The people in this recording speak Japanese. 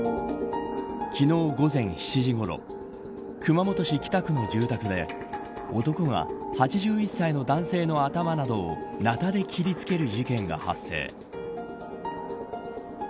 昨日午前７時ごろ熊本市北区の住宅で男が、８１歳の男性の頭などをナタで切りつける事件が発生。